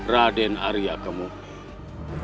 raden arya kemun